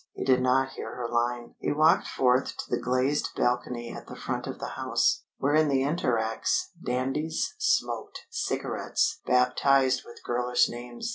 He did not hear her line. He walked forth to the glazed balcony at the front of the house, where in the entr'actes dandies smoked cigarettes baptised with girlish names.